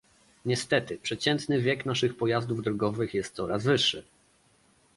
Niestety, przeciętny wiek naszych pojazdów drogowych jest coraz wyższy